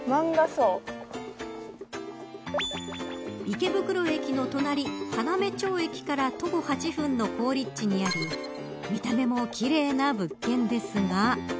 池袋駅の隣要町駅から徒歩８分の好立地にあり見た目も奇麗な物件ですが。